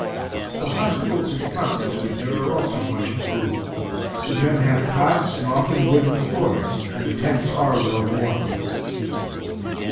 The hospitals in front, this winter, are also much improved. The men have cots, and often wooden floors, and the tents are well warmed.